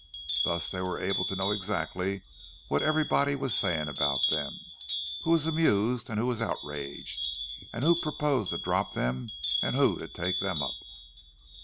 Thus they were able to know exactly what everybody was saying about them—who was amused and who was outraged, and who proposed to drop them and who to take them up.